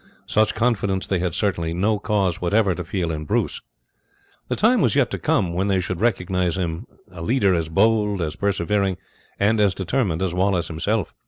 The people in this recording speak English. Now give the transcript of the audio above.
Such confidence they had certainly no cause whatever to feel in Bruce. The time was yet to come when they should recognize in him a leader as bold, as persevering, and as determined as Wallace himself.